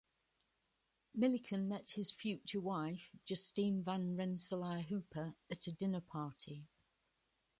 Milliken met his future wife, Justine van Rensselaer Hooper, at a dinner party.